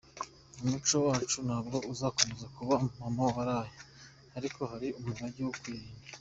Umuco wacu ntabwo uzakomeza kuba mama wararaye, ariko hari umurage wo kurinda….